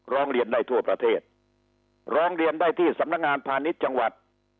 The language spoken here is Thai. ร้องเรียนได้ทั่วประเทศร้องเรียนได้ที่สำนักงานพาณิชย์จังหวัด